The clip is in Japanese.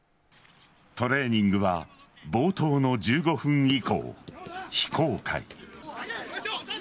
トレーニングは冒頭の１５分以降非公開。